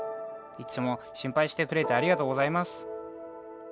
「いつも心配してくれてありがとうございます」。